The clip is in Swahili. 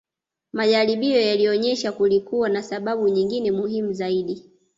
Majaribio yalionyesha kulikuwa na sababu nyingine muhimu zaidi